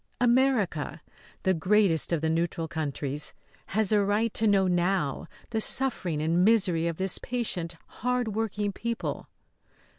America, the greatest of the neutral countries, has a right to know now the suffering and misery of this patient, hard working people.